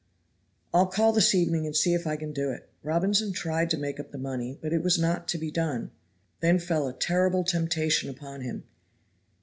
"I'll call this evening and see if I can do it." Robinson tried to make up the money, but it was not to be done. Then fell a terrible temptation upon him.